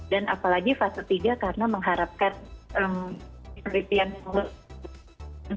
dan apalagi fase tiga karena mengharapkan penelitian seluruh